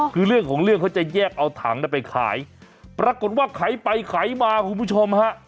คือเรื่องของเรื่องเขาจะแยกเอาถังไปขายปรากฏว่าขายไปไขมาคุณผู้ชมฮะ